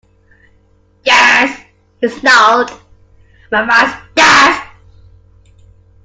"Yes," he snarled, "my wife's deaf."